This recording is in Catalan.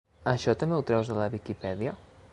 Això també ho treus de la Wikipedia?